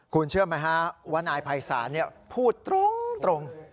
คุณเชื่อไหมฮะว่านายภัยศาลพูดตรง